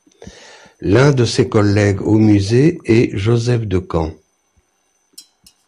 L'un de ses collègues au Musée est Joseph DeCamp.